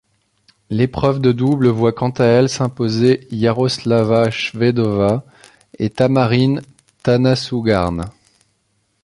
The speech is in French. L'épreuve de double voit quant à elle s'imposer Yaroslava Shvedova et Tamarine Tanasugarn.